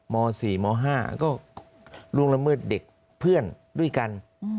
ม๔ม๕ก็ล่วงละเมิดเด็กเพื่อนด้วยกัน